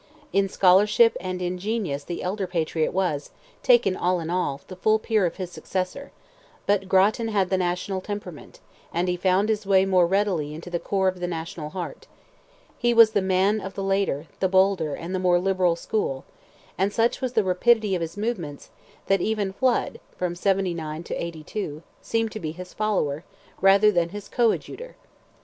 In scholarship and in genius the elder Patriot was, taken all in all, the full peer of his successor; but Grattan had the national temperament, and he found his way more readily into the core of the national heart; he was the man of the later, the bolder, and the more liberal school; and such was the rapidity of his movements, that even Flood, from '79 to '82, seemed to be his follower, rather than his coadjutor.